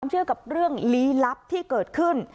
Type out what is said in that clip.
เชื่อกับเรื่องลี้ลับที่เกิดขึ้น